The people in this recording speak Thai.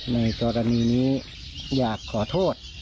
ในกรณีนี้อยากขอโทษ